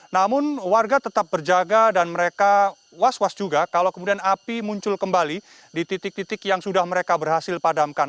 namun warga tetap berjaga dan mereka was was juga kalau kemudian api muncul kembali di titik titik yang sudah mereka berhasil padamkan